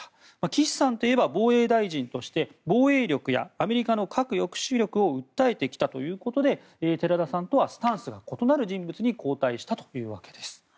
岸さんといえば防衛大臣として防衛力やアメリカの核抑止力を訴えてきたということで寺田さんとはスタンスが異なる人物に交代したというわけです。